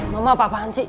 mama apa apaan sih